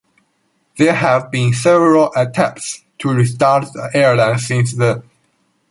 There have been several attempts to restart the airline since then.